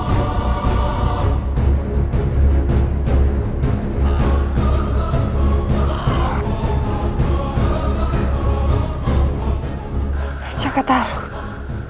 itu tidak dapat paling baik